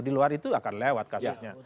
di luar itu akan lewat kasusnya